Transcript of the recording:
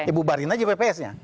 kita bubarin aja bpsnya